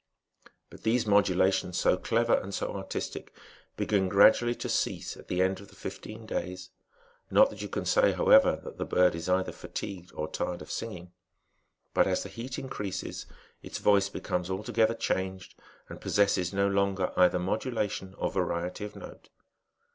^ But these modulations, so clever and so irtistic, begin gradually to cease at the end of the fifteen days ; 'not that you can say, however, that the bird is either fatigued Dr tired of singing ; but, as the heat increases, its voice becomes altogether changed, and possesses no longer either modula tion or variety of note.